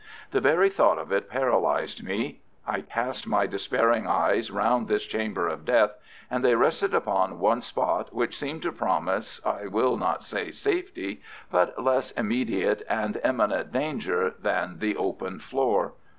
The very thought of it paralyzed me. I cast my despairing eyes round this chamber of death, and they rested upon one spot which seemed to promise I will not say safety, but less immediate and imminent danger than the open floor.